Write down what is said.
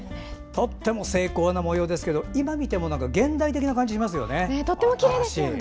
とても精巧な模様ですが今見ても現代的な感じがしますよね。